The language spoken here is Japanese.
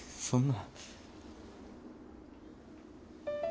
そんな。